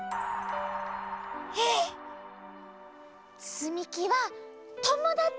つみきはともだち！